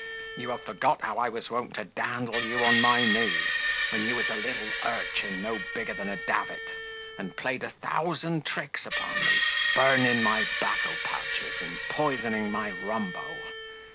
You have forgot how I was wont to dandle you on my knee, when you was a little urchin no bigger than a davit, and played a thousand tricks upon me, burning my 'bacco pouches and poisoning my rumbo.